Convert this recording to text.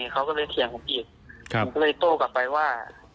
เขาก็เลยเถียงผมอีกผมก็เลยโต้กลับไปว่า